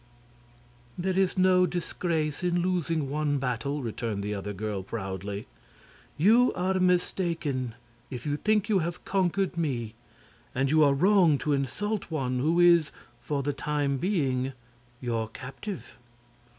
"There is no disgrace in losing one battle," returned the other girl, proudly. "You are mistaken if you think you have conquered me, and you are wrong to insult one who is, for the time being, your captive."